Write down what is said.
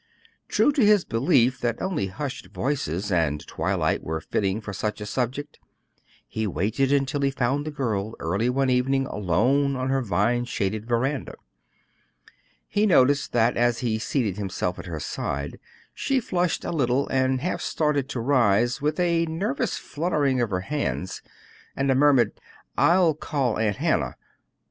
True to his belief that only hushed voices and twilight were fitting for such a subject, he waited until he found the girl early one evening alone on her vine shaded veranda. He noticed that as he seated himself at her side she flushed a little and half started to rise, with a nervous fluttering of her hands, and a murmured "I'll call Aunt Hannah."